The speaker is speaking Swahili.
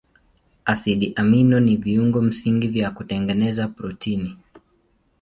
Asidi amino ni viungo msingi vya kutengeneza protini.